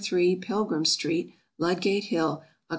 3, Pilgrim street, Ludgate hill, Oct.